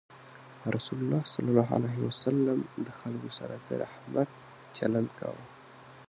رسول الله صلى الله عليه وسلم د خلکو سره د رحمت چلند کاوه.